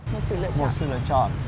một sự lựa chọn